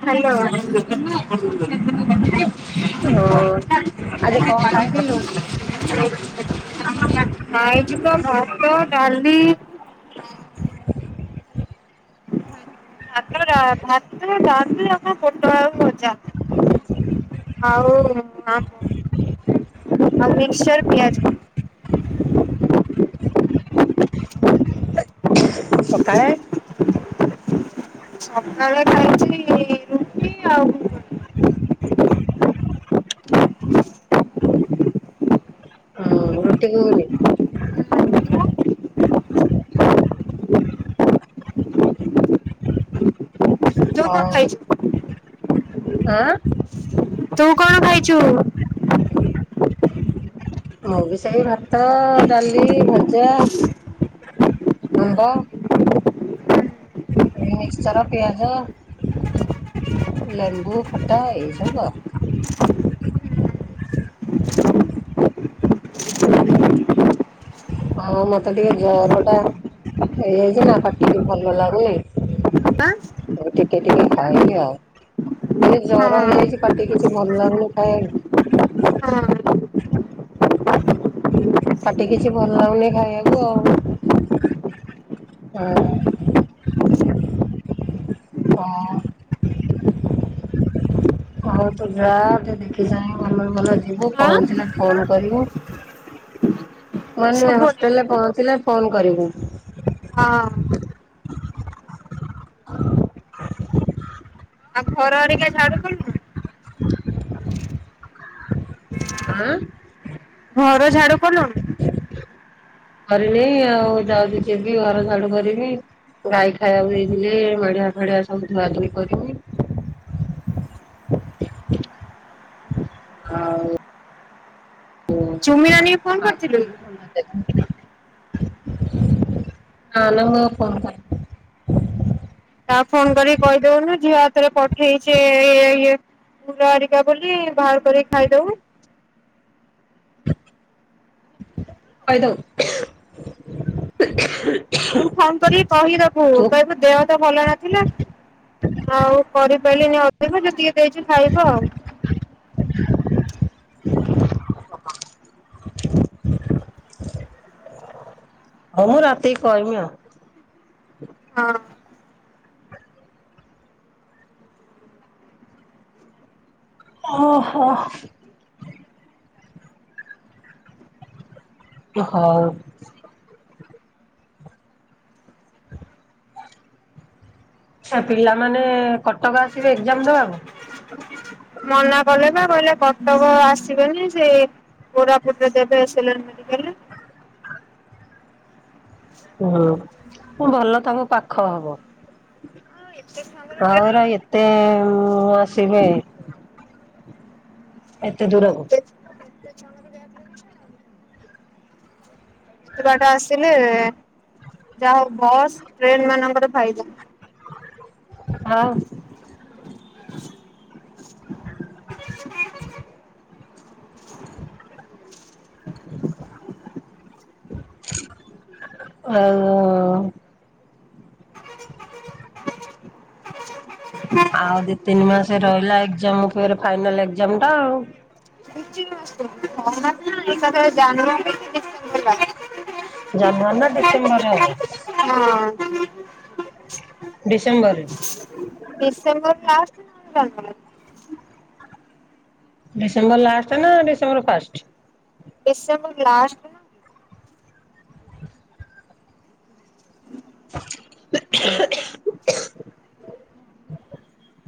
Hello. ଓ [unintelligible] ଆଜି କଣ ଖାଇଥିଲୁ? ନାଇିକ ଭାତ ଡାଲି ଭ ଭାତ ଡାଲି ଆଉ ପୋଟଳ ଆଳୁ ଭଜା। ହଉ ନାଁ ଆଉ ମିକ୍ସର ପିଆଜ। [inaudible] ସକାଳେ ସକାଳେ ଖାଇଛି ରୁଟି ଆଉ ହଁ ରୁଟି ଗୁଗୁନି। ତୁ କଣ ହଁ। ଖାଇଛୁ ଆଁ। ତୁ କଣ ଖାଇଛୁ? ମୁଁ ବି ସେଇ ଭାତ, ଡ଼ାଲି, ଭଜା। ଆମ୍ବ। ମିକ୍ସଚର୍ ପିଆଜ। ଲେମ୍ବୁ ଖଟା ଏଇ ସବୁ ଆଉ। ହଁ ମତେ ଟିକେ ଜର ଟା ହେଇଯାଇଛି ନା ପାଟିକି ଭଲ ଲାଗୁନି। ଆଁ ମୁଁ ଟିକେ ଟିକେ ଖାଇଲିି ଆଉ। [unintelligible] ଜର ହେଇଯାଇଛି ହଁ ପାଟିକି କିଛି ଭଲ ଲାଗୁନି ହଁ ଖାଇବାକୁ। ପାଟି କିଛି ଭଲ ଲାଗୁନି ଖାଇବାକୁ ଆଉ। ହୁଁ। ହଁ। ହଉ ତୁ ଯା ଦେଖିଚାଇଁ ଭଲରେ ଭଲରେ ଯିବୁ ହଁ ପହଞ୍ଚିଲେ ଫୋନ କରିବୁ ମାନେ ଶୁଭୁନି ହଷ୍ଟେଲରେ ପହଞ୍ଚିଲେ ଫୋନ କରିବୁ। ହଁ ଆଉ ଘର ହେରିକା ଝାଡୁ କଲୁଣୁ? ଆଁ। ଘର ଝାଡ଼ୁ କଲୁଣି? କରିନି ଆଉ ଯାଉଛି ଯିବି ଘର ଝାଡୁ କରିବି। ଗାଈ ଖାଇବାକୁ ଦେଇଥିଲି ମେଢି଼ଆ ଫେଡି଼ଆ ସବୁ ଧୁଆ ଧୁଇ କରିମି। [inaudible] ହଉ। ଓ [unintelligible] ଚୁମି ନାନୀ କି ଫୋନ କରିଥିଲୁ? ନହେଲେ ମୁଇଁ ଉପମା ତାକୁ ଫୋନ କରିକି କହିଦଉନୁ ଝିଅ ହାତରେ ପଠେଇଛି ଏଇ ଇଏ ଫୁଲ ହେରିକା ବୋଲି ବାହାର କରିକି ଖାଇଦବୁ। ଖାଇଦେବୁ। ତୁ ଫୋନ କରିକି କହିଦବୁ କହିବୁ ଦେହ ତ ଭଲ ନଥିଲା ଆଉ କରି କରିପାରିଲିନି ଅଧିକ ଯେତିକି ଦେଇଛି ଖାଇବ ଆଉ। [inaudible] ହଁ ମୁଁ ରାତି କହିମି ଆଉ। ହଁ। ଓହୋ। ହଉ। [inaudible] ଆଚ୍ଛା ପିଲାମାନେ କଟକ ଆସିବେ ଏକ୍ଜାମ୍ ଦବାକୁ। ମନା କଲେ ବା କହିଲେ କଟକ ଆସିବେନି ସେ କୋରାପୁଟ ରେ ଦେବେ ସେଲେନ୍ ମେଡି ହୁଁ ମୁଁ ଭଲ ତାଙ୍କ ପାଖ ହବ। ଆଉ ଏତେ ଛୁଆଙ୍କର ବ୍ୟାକ୍ ଅଉରା ଲାଗିବ ଏତେ ଆସିବେ। ଏତେ ହଁ ଦୂରକୁ ଏତେ ଏତେ ବାଟ ଆସିଲେ ଯାହା ହଉ ବସ୍ ଟ୍ରେନ ମାନଙ୍କର ଫାଇଦା। ଆଉ। [inaudible] ଆଉ। [inaudible] ଆଉ ଦି ତିନି ମାସେ ରହିଲା ଏକ୍ଜାମ୍ ଫେରେ ଫାଇନାଲ ଏକ୍ଜାମ୍ ଟା ଆଉ। [unintelligible] ଜାନୁୟାରୀ ଡିସେମ୍ବର ଲାଗି। ଜାନୁଆରୀ ନା ଡିସେମ୍ବର ରେ ହବ। [unintelligible] [inaudible] ଡିସେମ୍ବର ରେ। ଡିସେମ୍ବର [unintelligible] ଡିସେମ୍ବର ଲାଷ୍ଟ ନା ଡିସେମ୍ବର ଫାଷ୍ଟ। December last ନୁହୁଁକି। [inaudible]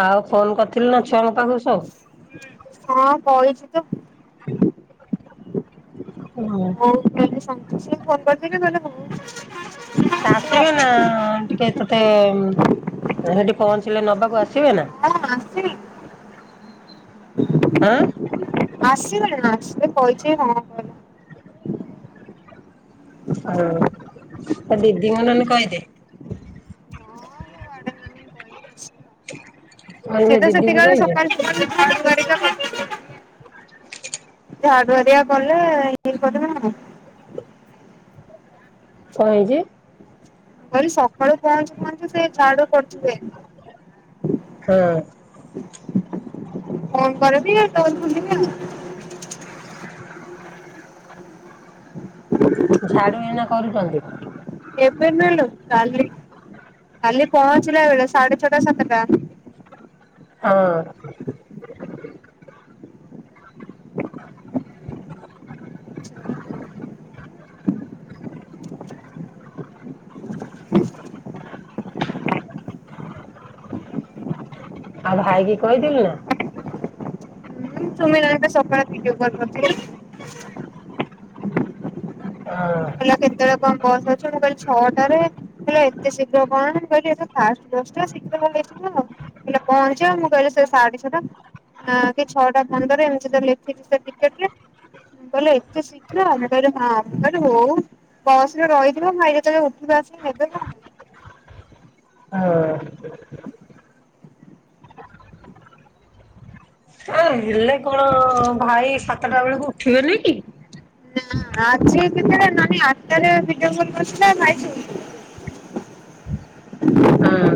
ଆଉ ଫୋନ୍ କରିଥିଲୁ ନା ଛୁଆଙ୍କ ପାଖକୁ ସବୁ। ହଁ କହିଚି ତ। ହୋଉ ତାହଲେ ସାଙ୍ଗେ ସାଙ୍ଗେ ଫୋନ୍ କରିଦେବି ନହଲେ ମୁଁ ଆସିବେନା ଟିକେ ତତେ ସେଠି ପହଞ୍ଚିଲେ ନବାକୁ ଆସି ହଁ ଆସିବେ। ଆଁ ଆସିବେ ନା ଆସିବ କହିଚି ହଁ କଲା। ହଁ ତୋ ଦିଦିଙ୍କୁ ନହେଲେ କହିଦେ। କହିଦେ ସିଏ ଦିଦି କି ତ କହିଛୁ ସେତିକି ବେଳେ ସକାଳେ [unintelligible] ଝାଡୁ ହେରିକା କଲେ [unintelligible] କଣ ହେଇଚି? ମୁଁ କହିଲି ‌ସକାଳୁ ପହଞ୍ଚୁ ପହଞ୍ଚୁ ସେ ଝାଡୁ କରୁଥିବେ। ହଁ। ଫୋନ୍ କରିବି ଆଉ କବାଟ ଖୁଲି [unintelligible] ଝାଡୁ ଏଇନା କରୁଚନ୍ତି। ଏବେ ନୁହେଁ ଲୋ କାଲି। କାଲି ପହଞ୍ଚିଲା ବେଳେ ସାଢେ ଛଅଟା ସାତଟା ହଁ। ଆଉ ଭାଇ କିି କହିଥିଲୁ ନା? ତୁମେ ଜଣେତ ସକାଳେ ଭଡିଓ କଲ କରିଥିଲେ। ହଁ କହିଲା କେତେବେଳେ କଣ ବସ୍ ଅଛି? ମୁଁ କହିଲି ଛଅଟାରେ କହିଲେ ଏତେ ଶୀଘ୍ର କଣ ମୁଁ କହିଲି ଏଟା ଫାଷ୍ଟ ବସ୍ ଟା ଶୀଘ୍ର କ [unintelligible] ପହଞ୍ଚିବ ମୁଁ କହିଲି ସେ ସାଢେ ଛ‌ଅଟା ନା କି ଛଅଟା ପନ୍ଦର ଏମିତି ତ ଲେଖିଚି ସେ ଟିକେଟ୍ ରେ କହିଲେ ଏତେ ଶୀଘ୍ର ମୁଁ କହିଲି ହଁ ମୁଁ କହି ହୋଉ ବସ୍ ରେ ରହିଥିବ ଭାଇ ଯେତେବେଳେ ଉଠି ଆସିକି ନେବେ ଆଉ। ହଁ। ଆ ହେଲେ କଣ ଭାଇ ସାତଟା ବେଳକୁ ଉଠିବେନି କି? ନାଁ ଆଜି ଭିତରେ ନାନୀ ଆଠଟା ରେ ଭିଡିଓ କଲ୍ କରିଥିଲା ଭାଇ ଶୋଇ ଥିଲେ। ହଁ।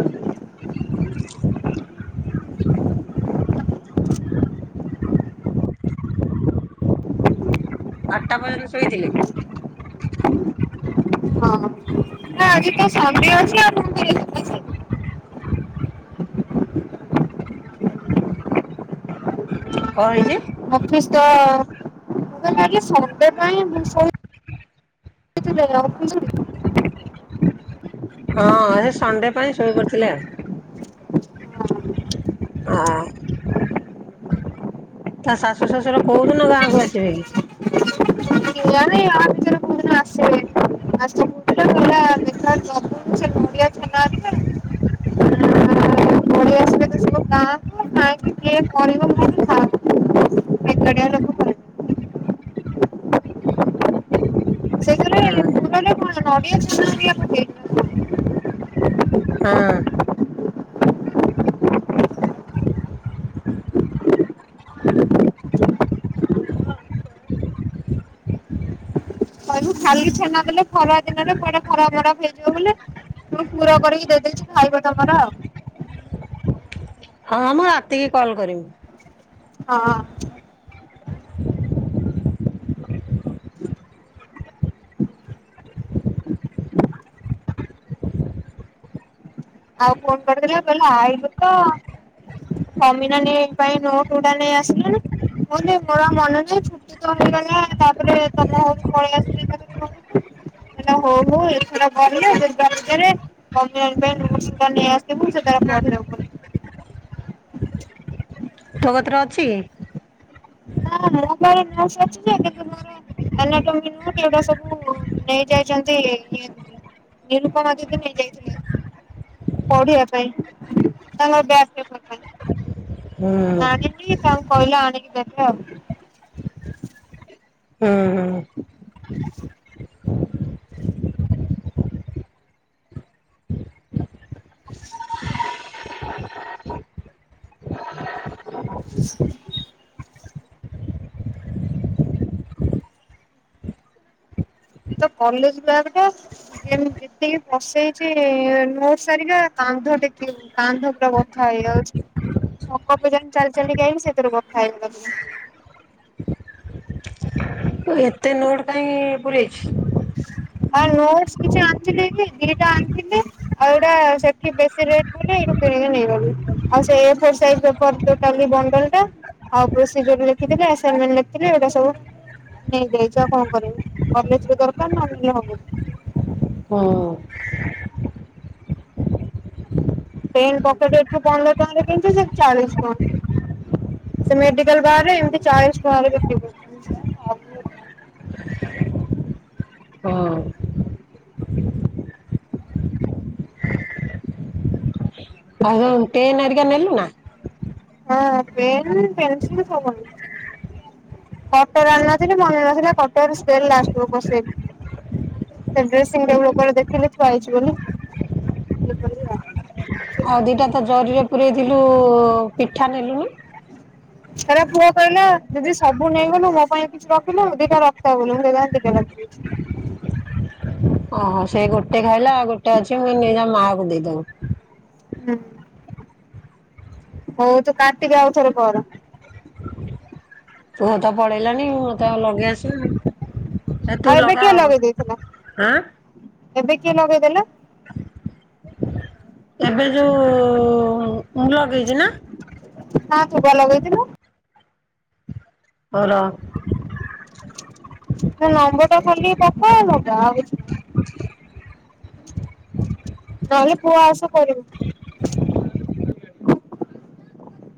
ଆଠଟା ପର୍ଯ୍ୟନ୍ତ ଶୋଇଥିଲେ। ନାଁ ଆଜି ତ ସଣ୍ଡେ ଅଛି ଆଉ [unintelligible] କଣ ହେଇଛି? ଅଫିସ ତ ମୁଁ କହିଲି ଆଜି ସଣ୍ଡେ ପାଇଁ ବୋହୁତ ଶୋଇ [unintelligible] ହଁ ହେ ସଣ୍ଡେ ପାଇଁ ଶୋଇପଡିଥିଲେ ଆଉ। ହଁ। ତା ଶାଶୁ ଶଶୁର କୋଉ ଦିନ ଗାଁକୁ ଆସିବେ କି? କେଜାଣି ଇଆ ଭିତରେ କେଉଁ ଦିନ [unintelligible] ଆସିବେ [unintelligible] ନଡିଆ ଛେନା ହେରିକା ପଳେଇ ଆସିବେ ତ ସବୁ ଗାଆଁ କୁ କାହିଁକି କିଏ କରିବ ମୁଁ [unintelligible] ଏକାଟିଆ ଲୋକକୁ ପାରିବିନି। [unintelligible] ସେଥି ହଁ କଣ ନଡ଼ିଆ ଛେନା ବି [unintelligible] ହଁ। ତା ଖାଲି ଛେନା ଦେଲେ, ଖରା ଦିନରେ କୁଆଡେ ଖରାପ ବରାପ ହେଇଯିବ ବୋଲି ମୁଁ ପୁର କରି କି ଦେଇଦେଇଚି, ଖାଇବ ତମର ଆଉ। ହଁ ମୁଁ ରାତିକି କଲ୍ କରିବି। ହଁ। [unintelligible] ଆଉ ଫୋନ୍ କରିଦଲା, କହିଲା ଆଇଲୁ ତ। କମିନାନୀ ପାଇଁ ନୋଟ ଗୁଡା ନେଇ ଆସିଲୁ ନି? ହଉ ନାଇଁ, ମୋର ଆଉ ମନେ ନାହିଁ, ଛୁଟି ତ ହେଇଗଲା ତାପରେ ତମେ ହ ପଳେଇ ଆସିଲ ହେ ହଉ ହଉ ଏଥର ଗଲେ ସୁଧା ନ ଆସ ବଲ ସୋର [unintelligible] ତୋ କତିରେ ଅଛି? ହଁଛ କିନ୍ତୁ ମୋରଟା ସବୁ [unintelligible] ନେଇ ଯାଇଛନ୍ତି, ନିରୁପମା ଦିଦି ନେଇଯାଇଥିଲେ । ପଢିବା ପାଇଁ ତାଙ୍କର ବ ପାଇଁ [unintelligible] ହୁଁ ଆଣିନି, ତାଙ୍କୁ କହିଲେ ଆଣିକି ଦେବେ। ହୁଁ ହୁଁ । ହ [unintelligible] [unintelligible] ଏ ତ କଲେଜ ବ୍ୟଗ ଟା ଯେତିକି ପସେଇଛି ନୋଟସ ହେରିକା କାନ୍ଧ ଟେକି ହଉନି, କାନ୍ଧ ପୁରାବଥା ହେଇଯାଉଛି । ଛକ ପଜନ ଚାଲି ଚାଲିଆଇଲି, ସେଥିରୁ କଥା ହେଇ [unintelligible] ଏତେ ନୋଟ କାହିଁ ପୁରେଇଛି? ଆଉ ନୋଟସ କିଛି ଆଣିଥିଲି କି, ଦିଟା ଆଣିଥିଲି ଆଉ ଏଟା ସେଠି ବେଶୀ ରେଟ ନେଇ ଆଉାଲା [unintelligible] ଆଉ ପ୍ରୋସିଜିର ଲେଖିଥିଲେ, ଆସନମେଣ୍ଟ ଲେଖିଥିଲେ ଏଇଟା ସବୁ ନେଇଯାଇଛ ଆଉ କଣ କରିବୁ? କଲେଜେ ଦରକାର ନା ନହଲେ ହବ ହଁ ପେନ ପକଟ ଏଠି ପନ୍ଦର ଟଙ୍କାରେ କିଣି ଥିଲି, ସେଠି ଚାଳିଶ ଟଙ୍କା। ସେ ମେଡିକାଲ ବାହାରେ ଏମିତି ଚାଳିଶ ଟଙ୍କା ହଁ ଆଉ ପେନ ହେରିକା ନେଲୁ ନା [unintelligible] ହଁ ପେନ୍ ପେନ୍ସିଲ୍ ସ କଟର ଆଣି ନଥିଲି, ମନେନଥିଲା କଟର ସ୍କେଲ ଲାଷ୍ଟକୁ ପସେଇଲି। ସେ ଡ୍ରେସିଂ ଟେବୁଲ ଉପରେ ଦେଖିଲି ଥୁଆ ହେଇଛି ବୋଲି। ଆଉ ଦିଟା ତ ଜରିରେ ପୂରେଇଥିଲୁ, ପିଠା ନେଲୁଣି ପୁଅ କହିଲା ଦି ସବୁ ନେଇଗଲୁ, ମୋ ପାଇଁ କିଛି ରଖିଲୁ ଦିଟା ରଖତା ଗଲୁ ମୁଁ ଦିଟା [unintelligible] ଓହୋ, ସେ ଗୋଟେ ଖାଇଲା, ଆଉ ଗୋଟେ ଅଛି ମୁଇ ନିଜ ମାଆକୁ ଦେଇଦବୁ। ହୁଁ । ହଉ ତୁ କାଟିଦେ, ଆଉ ଥରେ କର । ତୁ ତ ପଳେଇଲୁଣି [unintelligible] ତ ଲଗେଇ ଆସୁନି, ତୁ ଆଉ ଏବେ କିଏ ଲଗାଁ ଲଗେଇ ଦେଇଥିଲା? [unintelligible] ଏବେ କିଏ ଲଗେଇ ଦେଲା? ଏବେ ଯୋଉ ଲଗେଇଛି ନା ନା ତୁପା ଲଗେଇଥିଲୁ। ହଉ ର ସେ ନମ୍ବର ଟା ଖାଲି ପଠାଅ ମତେ ଆଉ ନହେଲେ ପୁଅ ଆସୁ କରିବୁ ।